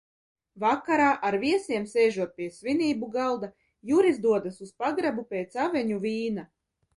Vakarā, ar viesiem sēžot pie svinību galda, Juris dodas uz pagrabu pēc aveņu vīna.